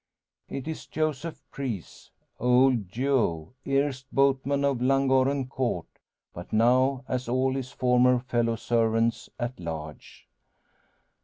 It is Joseph Preece, "Old Joe," erst boatman of Llangorren Court; but now, as all his former fellow servants, at large.